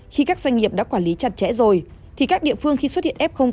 khi các doanh nghiệp đã quản lý chặt chẽ rồi thì các địa phương khi xuất hiện f một